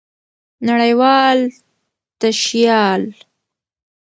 نړۍوال تشيال